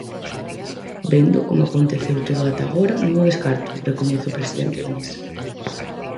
"Vendo como aconteceu todo até agora, non o descarto", recoñece o presidente da Mesa.